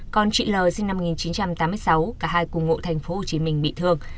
con chị l sinh năm một nghìn chín trăm tám mươi sáu cả hai cùng ngộ thành phố hồ chí minh bị thương